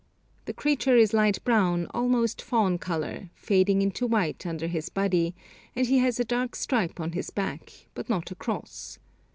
The creature is light brown, almost fawn colour, fading into white under his body, and he has a dark stripe on his back, but not a cross.